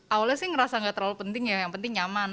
awalnya sih ngerasa gak terlalu penting ya yang penting nyaman